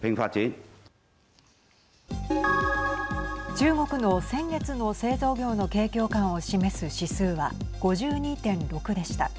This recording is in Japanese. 中国の先月の製造業の景況感を示す指数は５２．６でした。